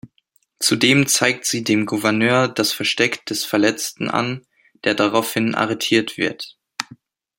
Zudem zeigt sie dem Gouverneur das Versteck des Verletzten an, der daraufhin arretiert wird.